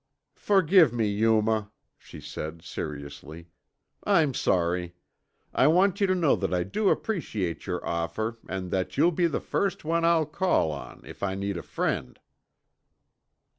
"Forgive me, Yuma," she said seriously, "I'm sorry. I want you to know that I do appreciate your offer and that you'll be the first one I'll call on if I need a friend."